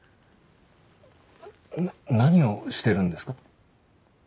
何をしてるんですか？